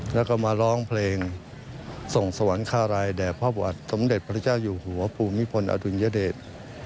แล้วก็มาร้องเพลงส่งสวรรคารายแด่พระบาทสมเด็จพระเจ้าอยู่หัวภูมิพลอดุลยเดช